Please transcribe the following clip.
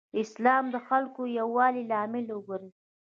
اسلام د خلکو د یووالي لامل وګرځېد.